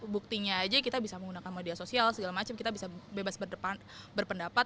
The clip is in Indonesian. buktinya aja kita bisa menggunakan media sosial segala macam kita bisa bebas berpendapat